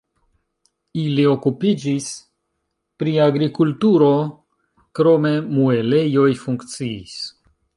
Ili okupiĝis pri agrikulturo, krome muelejoj funkciis.